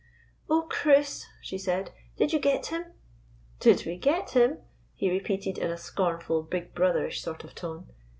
"Oh, Chris," she said, "did you get him?" "Did we get him?" he repeated in a scorn ful, big brotherish sort of tone.